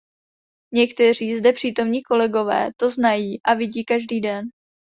Někteří zde přítomní kolegové to znají a vidí každý den.